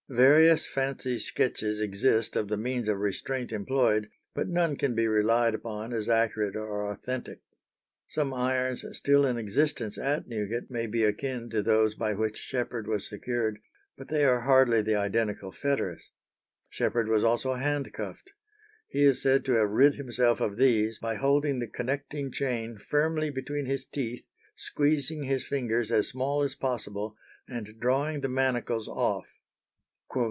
Various fancy sketches exist of the means of restraint employed, but none can be relied upon as accurate or authentic. Some irons still in existence at Newgate may be akin to those by which Sheppard was secured, but they are hardly the identical fetters. Sheppard was also handcuffed. He is said to have rid himself of these by holding the connecting chain firmly between his teeth, squeezing his fingers as small as possible, and drawing the manacles off.